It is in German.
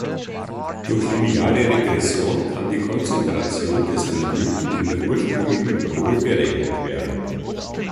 Durch lineare Regression kann die Konzentration des Analyten in der ursprünglichen Probe berechnet werden.